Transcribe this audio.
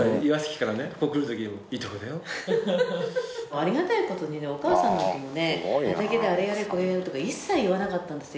ありがたいことにねお母さんが畑であれやれこれやれとか一切言わなかったんですよ。